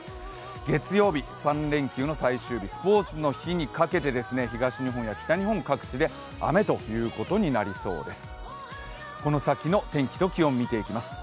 月曜日、三連休の最終日、スポーツの日にかけて東日本や北日本各地で雨となりそうです。